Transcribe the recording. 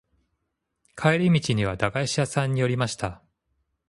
帰り道には駄菓子屋さんに寄りました。